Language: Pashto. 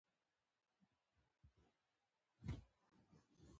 د مېرمنې پر ځای له سخت او کلک غولي.